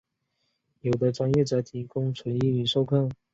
有的专业则提供纯英语授课。